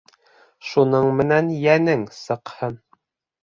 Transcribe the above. Шуның менән йәнең сыҡһын.